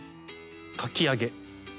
かき揚げ？